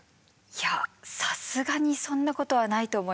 いやさすがにそんなことはないと思いますが。